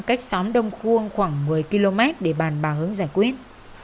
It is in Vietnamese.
cách xóm đông khuông khoảng một mươi km để bàn bà hướng giải quyết